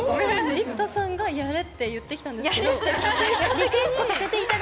生田さんがやれって言ってきたんですけど。